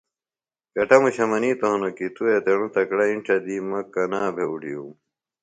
کٹموشہ منِیتوۡ ہنوۡ کیۡ ”توۡ اتیڻوۡ تکڑہ اِنڇہ دی مہ کنا بھےۡ اُڈِھیوم“